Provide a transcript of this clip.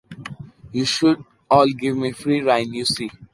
You should all give me free reign, you see.